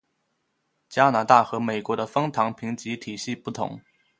加拿大和美国的枫糖评级体系不同。